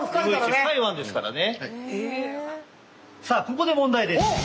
さあここで問題です。